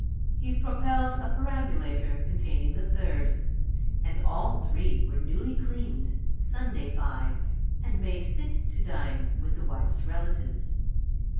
He propelled a perambulator containing the third and all three were newly cleaned, Sundayfied, and made fit to dine with the wife's relatives.